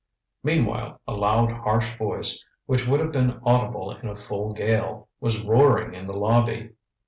ŌĆØ Meanwhile a loud harsh voice, which would have been audible in a full gale, was roaring in the lobby.